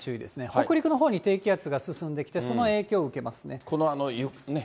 北陸のほうに低気圧が進んできて、その影響を受けますね。